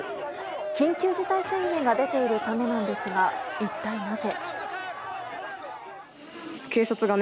緊急事態宣言が出ているためなんですが一体、なぜ。